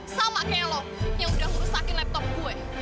sama kayak lo yang udah merusakin laptop gue